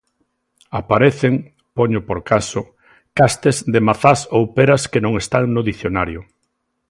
Aparecen, poño por caso, castes de mazás ou peras que non están no dicionario.